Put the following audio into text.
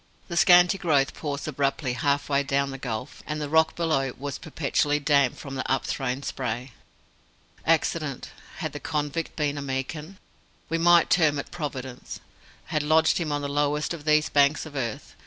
The scanty growth paused abruptly half way down the gulf, and the rock below was perpetually damp from the upthrown spray. Accident had the convict been a Meekin, we might term it Providence had lodged him on the lowest of these banks of earth.